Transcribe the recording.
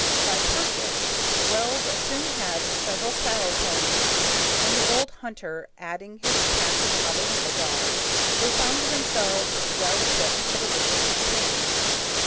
By purchase Wells soon had several saddle ponies, and the old hunter adding his pack of javeline dogs, they found themselves well equipped for the winter campaign.